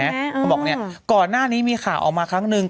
เขาบอกเนี่ยก่อนหน้านี้มีข่าวออกมาครั้งนึง